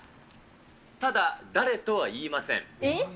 ただ、誰とは言いません。